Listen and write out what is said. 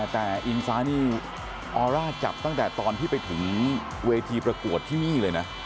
แต่อิงฟ้านี่ออร่าจับตั้งแต่ตอนที่ไปถึงเวทีประกวดที่นี่เลยนะ